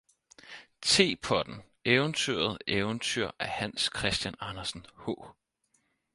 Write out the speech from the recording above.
Tepotten eventyret eventyr af hans christian andersen h